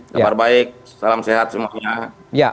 kabar baik salam sehat semuanya